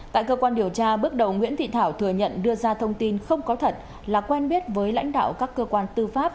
tại cơ quan điều tra bước đầu nguyễn thị thảo thừa nhận đưa ra thông tin không có thật là quen biết với lãnh đạo các cơ quan tư pháp